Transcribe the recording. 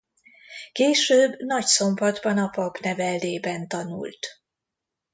Később Nagyszombatban a papneveldében tanult.